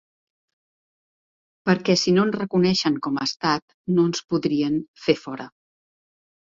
Perquè si no ens reconeixen com a estat no ens podrien fer fora.